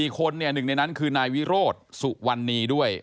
คนหนึ่งในนั้นคือนายวิโรธสุวรรณีด้วย